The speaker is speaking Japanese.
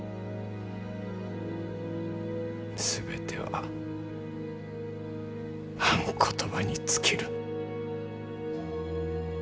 全てはあん言葉に尽きる。